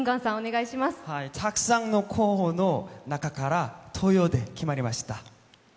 たくさんの候補の中から投票で決まりました。